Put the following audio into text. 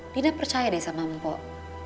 dina percaya deh sama mpok